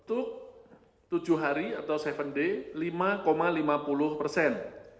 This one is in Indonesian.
untuk tujuh hari atau tujuh day lima lima puluh persen